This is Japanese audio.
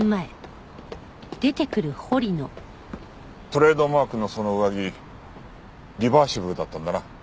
トレードマークのその上着リバーシブルだったんだな。